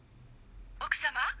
「奥様？